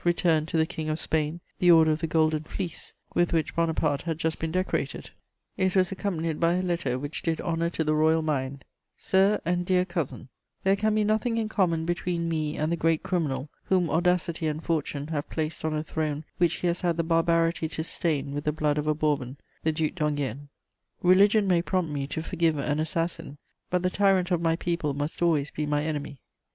returned to the King of Spain the Order of the Golden Fleece, with which Bonaparte had just been decorated; it was accompanied by a letter which did honour to the royal mind: "SIR AND DEAR COUSIN, "There can be nothing in common between me and the great criminal whom audacity and fortune have placed on a throne which he has had the barbarity to stain with the blood of a Bourbon, the Duc d'Enghien. Religion may prompt me to forgive an assassin; but the tyrant of my people must always be my enemy.